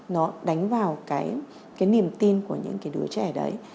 nó đánh vào cái niềm tin của những cái đứa trẻ đấy